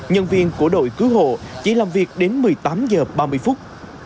nhân viên của đội cứu hộ chỉ làm việc đến một mươi tám giờ ba mươi phút